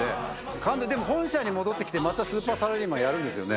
完全に、でも本社に戻ってきてまたスーパーサラリーマンやるんですよね。